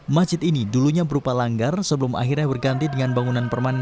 masjid ini dulunya berupa langgar sebelum akhirnya berganti dengan bangunan permanen